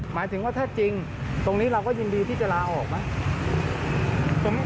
หมายถึงว่าถ้าจริงตรงนี้เราก็ยินดีที่จะลาออกไหม